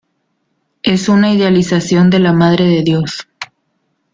Es una idealización de la Madre de Dios.